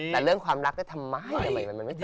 แต่เรื่องความรักก็ทำไมมันไม่เจอ